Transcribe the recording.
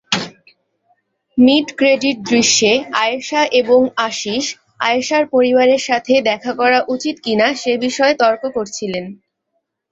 Mid-credit দৃশ্যে আয়েশা এবং আশীষ আয়েশার পরিবারের সাথে দেখা করা উচিত কিনা সে বিষয়ে তর্ক করেছিলেন।